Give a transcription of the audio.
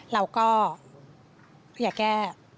เราก็อย่าแก้